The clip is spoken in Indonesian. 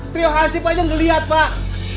trio hansi pajang ngeliat pak